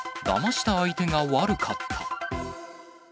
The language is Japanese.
だました相手が悪かった。